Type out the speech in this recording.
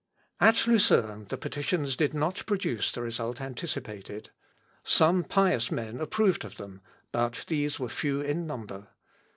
At Lucerne, the petitions did not produce the result anticipated. Some pious men approved of them, but these were few in number.